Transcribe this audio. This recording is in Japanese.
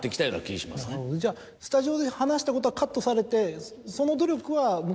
じゃあスタジオで話したことはカットされて。